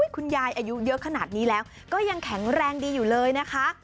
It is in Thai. อายุเยอะขนาดนี้แล้วก็ยังแข็งแรงดีอยู่เลยนะคะ